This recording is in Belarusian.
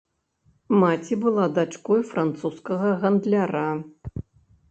Маці была дачкой французскага гандляра.